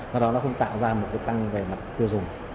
do đó nó không tạo ra một cái tăng về mặt tiêu dùng